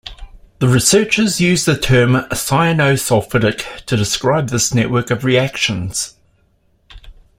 The researchers used the term "cyanosulfidic" to describe this network of reactions.